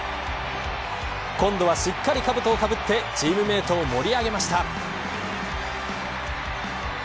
今度はしっかりかぶとをかぶってチームメイトを盛り上げました。